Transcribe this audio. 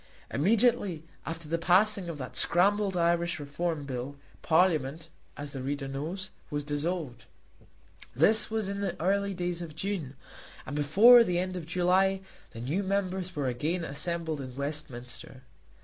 Immediately after the passing of that scrambled Irish Reform Bill, Parliament, as the reader knows, was dissolved. This was in the early days of June, and before the end of July the new members were again assembled at Westminster.